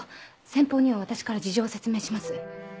先方には私から事情を説明します。